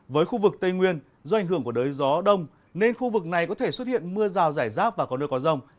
với khu vực tây nguyên do ảnh hưởng của đới gió đông nên khu vực này có thể xuất hiện mưa rào rải rác và có nơi có rông